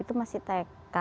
itu masih tk